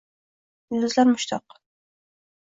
Yulduzlar mushtoq.